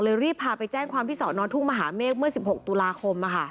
รีบพาไปแจ้งความที่สอนอทุ่งมหาเมฆเมื่อ๑๖ตุลาคม